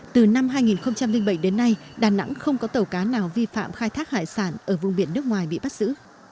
từ năm hai nghìn bảy đến nay đà nẵng không có tàu cá nào vi phạm khai thác hải sản ở vùng biển nước ngoài bị bắt giữ